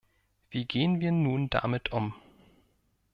Wie gehen wir nun damit um?